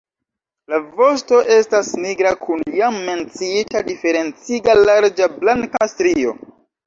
La vosto estas nigra kun jam menciita diferenciga larĝa blanka strio.